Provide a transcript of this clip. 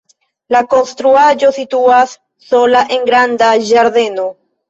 La konstruaĵo situas sola en granda ĝardeno.